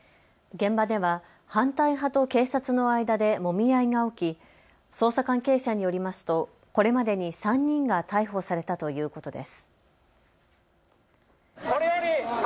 現場では反対派と警察の間でもみ合いが起き、捜査関係者によりますと、これまでに３人が逮捕されたということです。